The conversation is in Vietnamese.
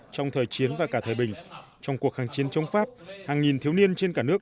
trong thời chiến và cả thời bình trong cuộc kháng chiến chống pháp hàng nghìn thiếu niên trên cả nước